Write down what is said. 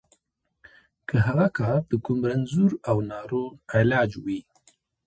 که هغه کار د کوم رنځور او ناروغ علاج وي.